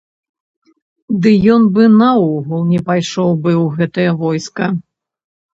Ды ён бы наогул не пайшоў бы ў гэтае войска.